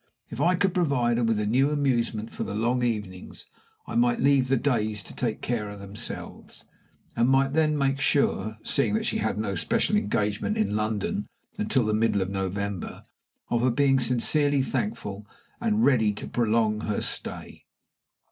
If I could provide her with a new amusement for the long evenings, I might leave the days to take care of themselves, and might then make sure (seeing that she had no special engagement in London until the middle of November) of her being sincerely thankful and ready to prolong her stay.